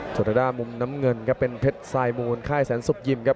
โดด้ามุมน้ำเงินครับเป็นเพชรสายมูลค่ายแสนสุกยิมครับ